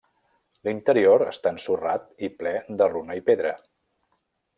L'interior està ensorrat i ple de runa i pedra.